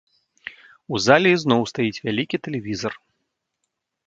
У зале ізноў стаіць вялікі тэлевізар.